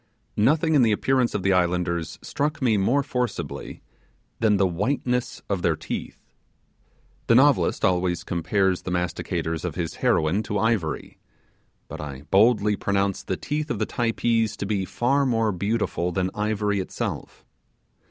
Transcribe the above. Nothing in the appearance of the islanders struck me more forcibly than the whiteness of their teeth. The novelist always compares the masticators of his heroine to ivory; but I boldly pronounce the teeth of the Typee to be far more beautiful than ivory itself.